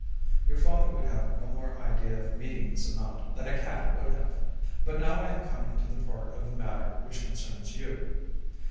Your father would have no more idea of meeting this amount than a cat would have. But now I am coming to the part of the matter which concerns you.